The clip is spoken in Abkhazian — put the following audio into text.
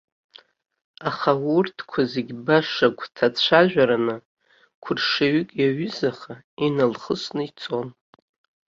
Аха урҭқәа зегьы баша гәҭацәажәараны, қәаршҩык иаҩызаха, иналхысны ицон.